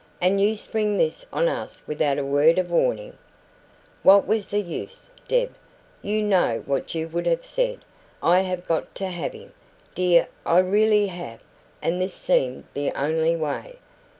And you spring this on us without a word of warning " "What was the use, Deb? You know what you would have said. I have GOT to have him, dear I really have and this seemed the only way."